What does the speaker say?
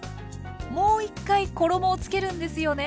もう１回衣をつけるんですよね？